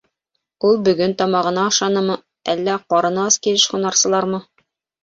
— Ул бөгөн тамағына ашанымы, әллә ҡарыны ас килеш һунарсылармы?